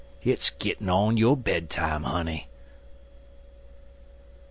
Hit's gittin' yo' bedtime, honey."